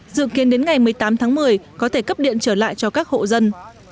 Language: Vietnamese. dự kiến đến ngày một mươi tám tháng một mươi có thể cấp điện trở lại cho các hộ dân